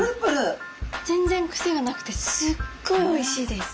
全然くせがなくてすっごいおいしいです。